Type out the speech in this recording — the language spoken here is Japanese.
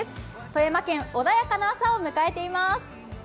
富山県、穏やかな朝を迎えています